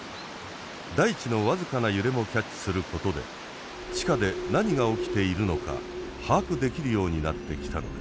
大地の僅かな揺れもキャッチすることで地下で何が起きているのか把握できるようになってきたのです。